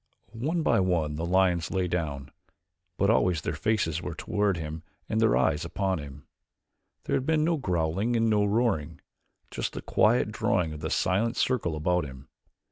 One by one the lions lay down, but always their faces were toward him and their eyes upon him. There had been no growling and no roaring just the quiet drawing of the silent circle about him.